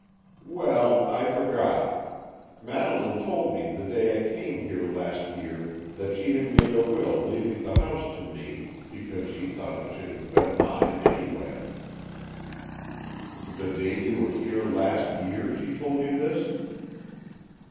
"Well, I forgot. Madeleine told me the day I came here last year that she had made a will leaving the house to me, because she thought it should have been mine any way." "The day you were here last year, she told you this?"